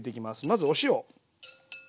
まずお塩。